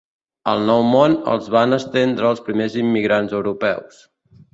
Al Nou Món els van estendre els primers immigrants europeus.